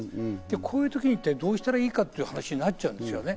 こういう時にどうしたらいいかという話になっちゃうんですね。